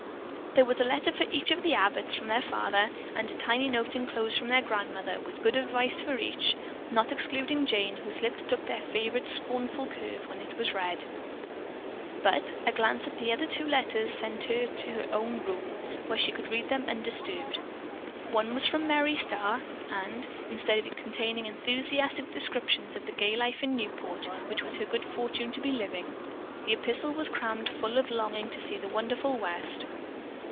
There was a letter for each of the Abbotts from their father and a tiny note inclosed from grandmother with good advice for each, not excluding Jane, whose lips took their favorite scornful curve when it was read. But a glance at her other two letters sent her to her own room, where she could read them undisturbed. One was from Merry Starr and, instead of containing enthusiastic descriptions of the gay life at Newport, which it was her good fortune to be living, the epistle was crammed full of longing to see the wonderful West.